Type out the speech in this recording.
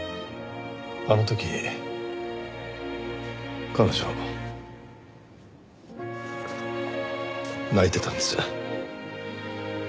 あの時彼女泣いてたんです。